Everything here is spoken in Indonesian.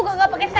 gak pake salam